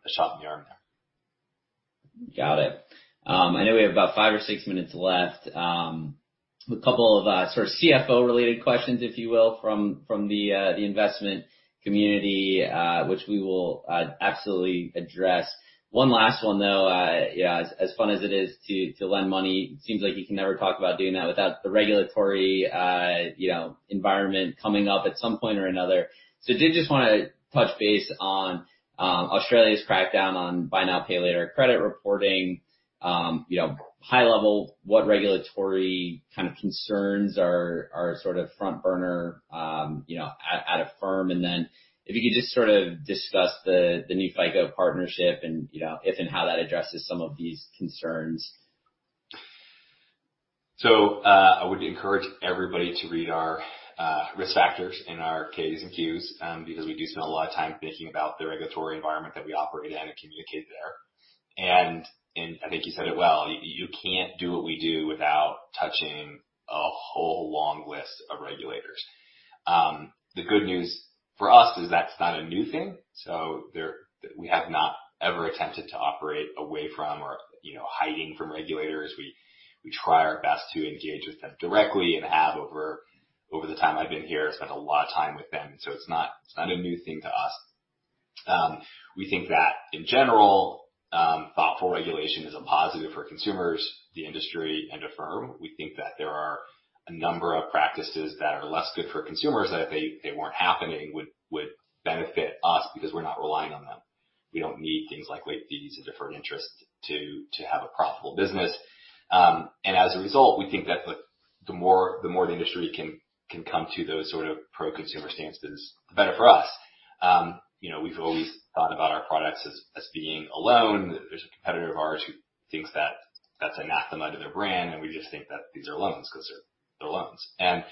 a shot in the arm there. Got it. I know we have about five or six minutes left. A couple of sort of CFO-related questions, if you will, from the investment community, which we will absolutely address. One last one, though, as fun as it is to lend money, it seems like you can never talk about doing that without the regulatory environment coming up at some point or another. So did just want to touch base on Australia's crackdown on buy-now-pay-later credit reporting, high-level, what regulatory kind of concerns are sort of front burner at a firm? And then if you could just sort of discuss the new FICO partnership and if and how that addresses some of these concerns. I would encourage everybody to read our risk factors in our Ks and Qs because we do spend a lot of time thinking about the regulatory environment that we operate in and communicate there. And I think you said it well. You can't do what we do without touching a whole long list of regulators. The good news for us is that's not a new thing. We have not ever attempted to operate away from or hiding from regulators. We try our best to engage with them directly and have over the time I've been here, spent a lot of time with them. It's not a new thing to us. We think that in general, thoughtful regulation is a positive for consumers, the industry, and Affirm. We think that there are a number of practices that are less good for consumers that if they weren't happening, would benefit us because we're not relying on them. We don't need things like late fees and deferred interest to have a profitable business. And as a result, we think that the more the industry can come to those sort of pro-consumer stances, the better for us. We've always thought about our products as being loans. There's a competitor of ours who thinks that that's anathema to their brand. And we just think that these are loans because they're loans. And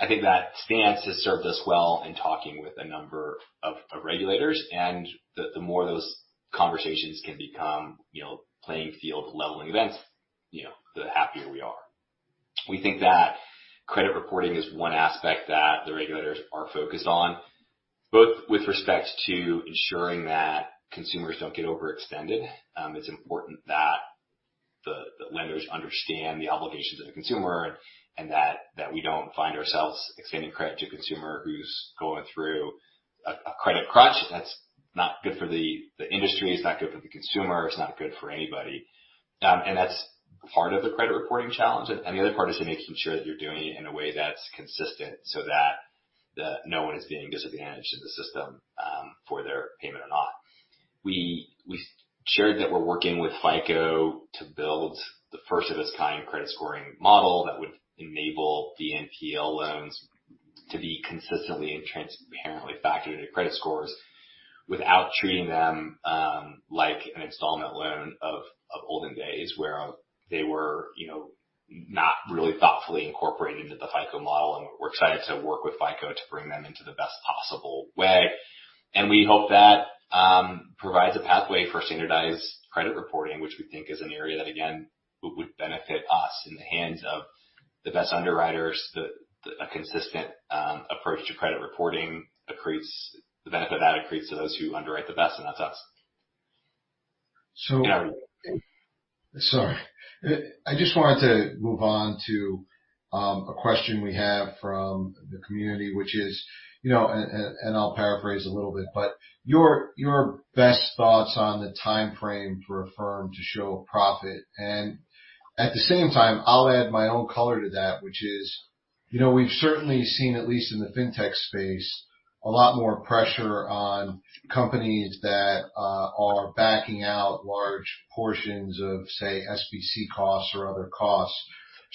I think that stance has served us well in talking with a number of regulators. And the more those conversations can become playing-field-leveling events, the happier we are. We think that credit reporting is one aspect that the regulators are focused on, both with respect to ensuring that consumers don't get overextended. It's important that the lenders understand the obligations of the consumer and that we don't find ourselves extending credit to a consumer who's going through a credit crunch. That's not good for the industry. It's not good for the consumer. It's not good for anybody. And that's part of the credit reporting challenge. And the other part is making sure that you're doing it in a way that's consistent so that no one is being disadvantaged in the system for their payment or not. We shared that we're working with FICO to build the first-of-its-kind credit scoring model that would enable BNPL loans to be consistently and transparently factored into credit scores without treating them like an installment loan of olden days where they were not really thoughtfully incorporated into the FICO model, and we're excited to work with FICO to bring them into the best possible way, and we hope that provides a pathway for standardized credit reporting, which we think is an area that, again, would benefit us in the hands of the best underwriters. A consistent approach to credit reporting accretes the benefit of that to those who underwrite the best, and that's us. Sorry. I just wanted to move on to a question we have from the community, which is, and I'll paraphrase a little bit, but your best thoughts on the timeframe for Affirm to show profit. And at the same time, I'll add my own color to that, which is we've certainly seen, at least in the fintech space, a lot more pressure on companies that are backing out large portions of, say, SBC costs or other costs.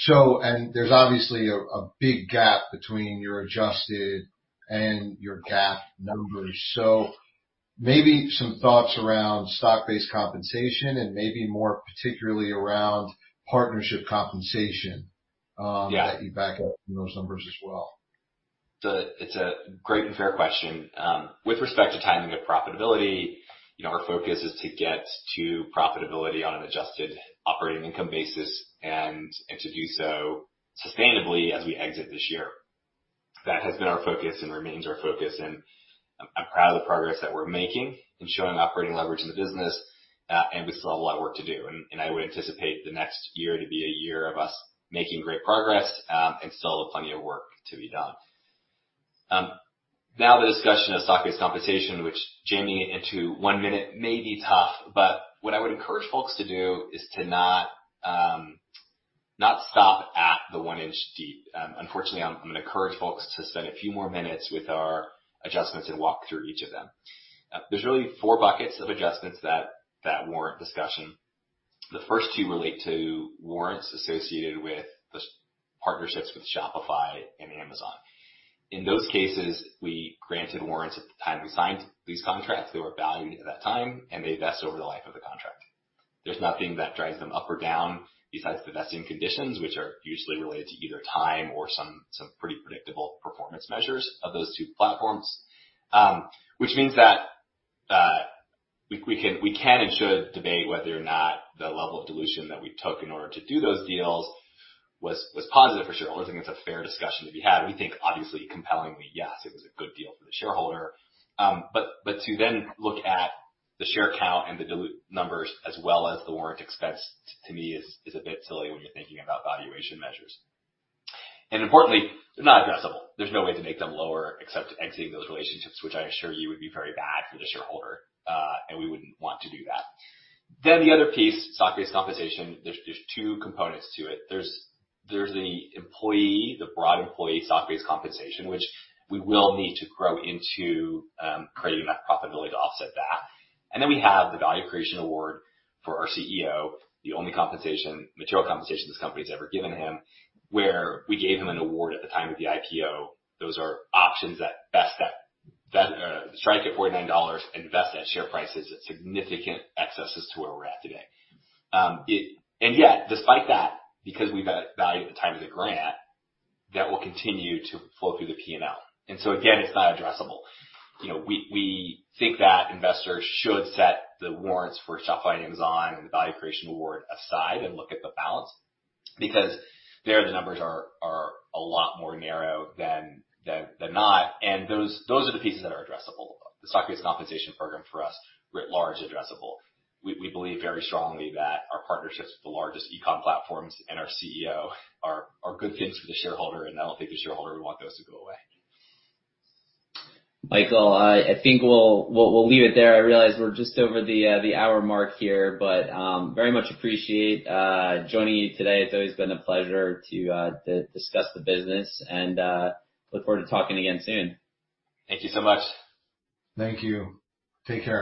And there's obviously a big gap between your adjusted and your GAAP numbers. So maybe some thoughts around stock-based compensation and maybe more particularly around partnership compensation that you back out in those numbers as well. It's a great and fair question. With respect to timing of profitability, our focus is to get to profitability on an adjusted operating income basis and to do so sustainably as we exit this year. That has been our focus and remains our focus. And I'm proud of the progress that we're making in showing operating leverage in the business. And we still have a lot of work to do. And I would anticipate the next year to be a year of us making great progress and still have plenty of work to be done. Now, the discussion of stock-based compensation, which jamming it into one minute may be tough, but what I would encourage folks to do is to not stop at the one-inch deep. Unfortunately, I'm going to encourage folks to spend a few more minutes with our adjustments and walk through each of them. There's really four buckets of adjustments that warrant discussion. The first two relate to warrants associated with the partnerships with Shopify and Amazon. In those cases, we granted warrants at the time we signed these contracts. They were valued at that time, and they vest over the life of the contract. There's nothing that drives them up or down besides the vesting conditions, which are usually related to either time or some pretty predictable performance measures of those two platforms, which means that we can and should debate whether or not the level of dilution that we took in order to do those deals was positive for shareholders. I think it's a fair discussion to be had. We think, obviously, compellingly, yes, it was a good deal for the shareholder. But to then look at the share count and the numbers as well as the warrant expense, to me, is a bit silly when you're thinking about valuation measures. And importantly, they're not addressable. There's no way to make them lower except exiting those relationships, which I assure you would be very bad for the shareholder. And we wouldn't want to do that. Then the other piece, stock-based compensation, there's two components to it. There's the employee, the broad employee stock-based compensation, which we will need to grow into creating enough profitability to offset that. And then we have the value creation award for our CEO, the only material compensation this company has ever given him, where we gave him an award at the time of the IPO. Those are options that vest with a strike at $49 and vest at share prices at significant excesses to where we're at today. And yet, despite that, because we value at the time of the grant, that will continue to flow through the P&L. And so again, it's not addressable. We think that investors should set the warrants for Shopify, Amazon, and the value creation award aside and look at the balance because there, the numbers are a lot more narrow than not. And those are the pieces that are addressable. The stock-based compensation program for us, writ large, addressable. We believe very strongly that our partnerships with the largest e-com platforms and our CEO are good things for the shareholder. And I don't think the shareholder would want those to go away. Michael, I think we'll leave it there. I realize we're just over the hour mark here, but very much appreciate joining you today. It's always been a pleasure to discuss the business, and look forward to talking again soon. Thank you so much. Thank you. Take care.